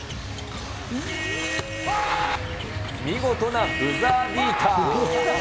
見事なブザービーター。